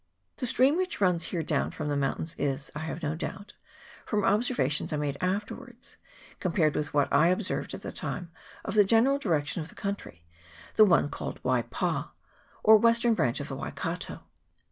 The stream which runs here down from the mountain is, I have no doubt (from observations I made afterwards, compared with what I observed at the time of the general direction of the country), the one called the Waipa, 1 or western branch of the Waikato.